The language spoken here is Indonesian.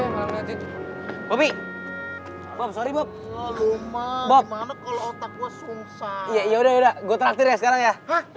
hai bobby sorry bob ya udah gue terakhir ya